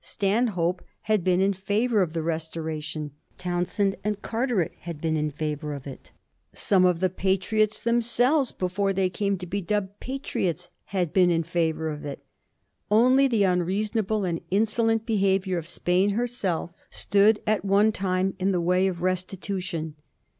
Stanhope had been in favour of the restoration ; Townshend and Cailieret had been in favour of it. Some of the Patriots themselves, before they came to be dubbed Patriots, had been in favour of it. Only the unreasonable and insolent behaviour of Spain herself stood at one time in the way of the restitution.